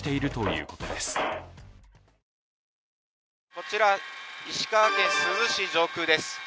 こちら、石川県珠洲市上空です。